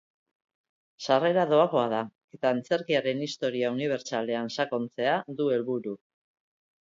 Sarrera doakoa da eta antzerkiaren historia unibertsalean sakontzea du helburu.